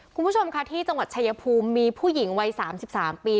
คุณผู้ชมค่ะที่จังหวัดชายภูมิมีผู้หญิงวัย๓๓ปี